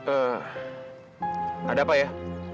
eh ada apa ya